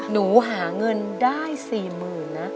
หนูหาเงินได้๔๐๐๐นะ